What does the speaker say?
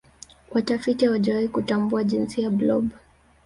watafiti hawajawahi kutambua jinsia ya blob